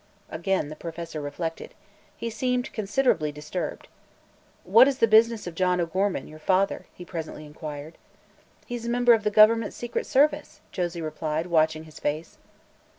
Again the Professor reflected. He seemed considerably disturbed. "What is the business of John O'Gorman, your father?" he presently inquired. "He's a member of the government's secret service," Josie replied, watching his face.